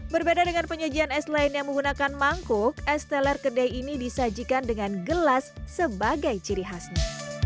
berbeda dengan penyajian es lain yang menggunakan mangkuk es teler kedai ini disajikan dengan gelas sebagai ciri khasnya